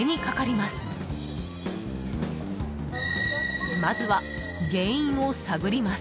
まずは、原因を探ります。